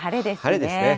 晴れですね。